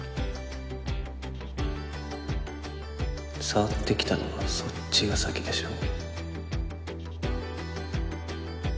触ってきたのはそっちが先でしょ？